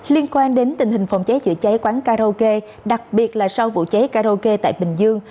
liên quan đến tình hình phòng cháy chữa cháy quán karaoke đặc biệt là sau vụ cháy karaoke tại bình dương